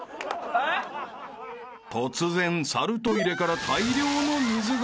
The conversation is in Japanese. ［突然猿トイレから大量の水が］